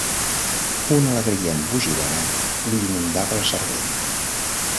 Una alegria embogidora li inundava el cervell.